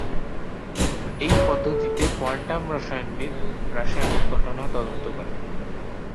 এই পদ্ধতিতে, কোয়ান্টাম রসায়নবিদ রাসায়নিক ঘটনা তদন্ত করে।